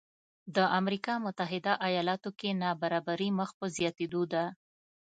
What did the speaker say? د امریکا متحده ایالاتو کې نابرابري مخ په زیاتېدو ده